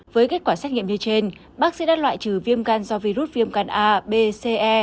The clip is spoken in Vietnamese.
với kết quả xét nghiệm như trên bác sĩ đã loại trừ viêm gan do virus viêm gan a b c e